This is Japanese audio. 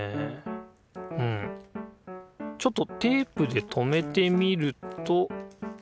ちょっとテープで留めてみると。